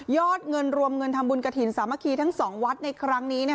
เงินรวมเงินทำบุญกระถิ่นสามัคคีทั้ง๒วัดในครั้งนี้